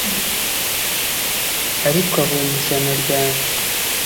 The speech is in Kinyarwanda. ariko abonye ishyano ryanjye